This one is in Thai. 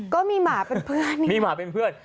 ก็มีหมาเป็นเพื่อน